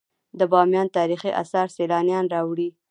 د بامیان تاریخي اثار سیلانیان راوړي